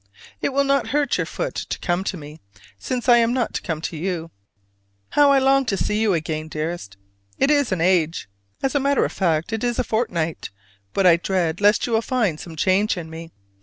It will not hurt your foot to come to me, since I am not to come to you? How I long to see you again, dearest! it is an age! As a matter of fact, it is a fortnight: but I dread lest you will find some change in me.